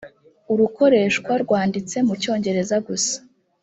urukoreshwa rwanditse mu cyongereza gusa